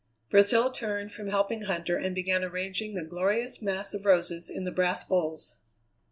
Priscilla turned from helping Huntter and began arranging the glorious mass of roses in the brass bowls.